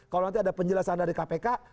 kalau nanti ada penjelasan dari kpk